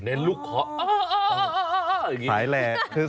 เน้นลูกคออ่าอย่างนี้